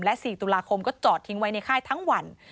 และ๔ตุลาคมก็จอดทิ้งไว้ในค่ายทั้งวัน